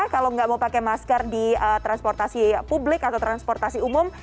kalau nggak mau pakai masker di transportasi publik atau transportasi umum